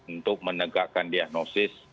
untuk menegakkan diagnosis